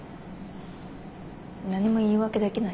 何も言い訳できない。